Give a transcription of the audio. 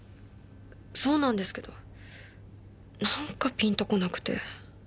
そうなんですけどなんかピンとこなくて。